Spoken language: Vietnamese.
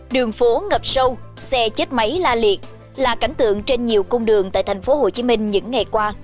đường phố ngập sâu xe chết máy la liệt là cảnh tượng trên nhiều cung đường tại tp hcm những ngày qua